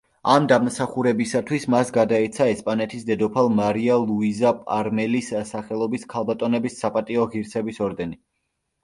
ამ დამსახურებისათვის მას გადაეცა ესპანეთის დედოფალ მარია ლუიზა პარმელის სახელობის ქალბატონების საპატიო ღირსების ორდენი.